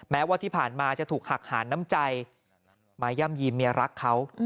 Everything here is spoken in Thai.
แม้ว่าที่ผ่านมาจะถูกหักหารน้ำใจมาย่ำยีมเมียรักเขา